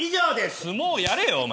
相撲やれよ、お前。